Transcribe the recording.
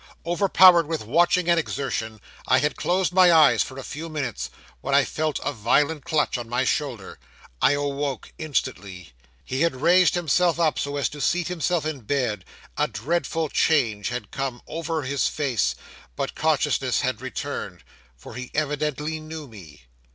Overpowered with watching and exertion, I had closed my eyes for a few minutes, when I felt a violent clutch on my shoulder. I awoke instantly. He had raised himself up, so as to seat himself in bed a dreadful change had come over his face, but consciousness had returned, for he evidently knew me.